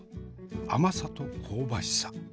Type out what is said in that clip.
甘さと香ばしさ。